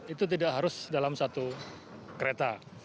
itu tidak harus dalam satu kereta